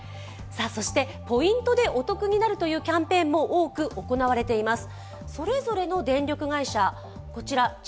ポイントでお得になるキャンペーンも多く行われています。